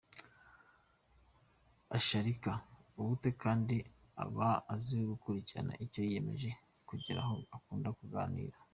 Ashirika ubute kandi aba azi gukurikirana icyo yiyemeje kugeraho, akunda kuganira.